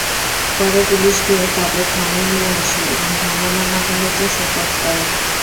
পরে পুলিশ গিয়ে তাঁদের থানায় নিয়ে আসে এবং ভ্রাম্যমাণ আদালতে সোপর্দ করে।